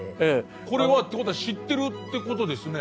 これはってことは知ってるってことですね。